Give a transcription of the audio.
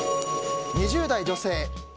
２０代女性